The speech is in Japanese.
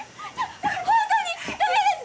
本当にだめです